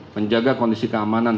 menjaga kondisi keamanan